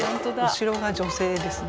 後ろが女性ですね。